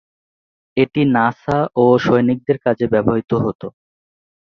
এটি নাসা ও সৈনিকদের কাজে ব্যবহৃত হত।